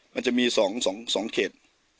มันจะมี๒เขต